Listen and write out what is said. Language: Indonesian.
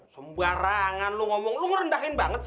sembarangan lu ngomong lu rendahin banget sih